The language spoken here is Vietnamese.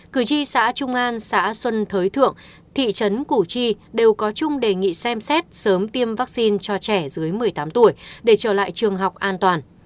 cử tri xã trung an xã xuân thới thượng thị trấn củ chi đều có chung đề nghị xem xét sớm tiêm vaccine cho trẻ dưới một mươi tám tuổi để trở lại trường học an toàn